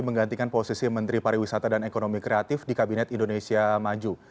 menggantikan posisi menteri pariwisata dan ekonomi kreatif di kabinet indonesia maju